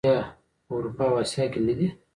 آیا په اروپا او اسیا کې نه دي؟